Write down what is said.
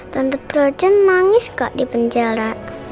tante frozen nangis gak di penjara